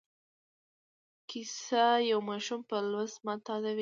کیسه یو ماشوم په لوست معتادوي.